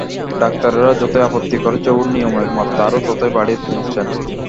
ডাক্তারেরা যতই আপত্তি করছে ওঁর নিয়মের মাত্রা আরো ততই বাড়িয়ে তুলছেন।